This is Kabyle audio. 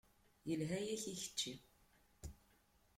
Yelha-yak i kečči.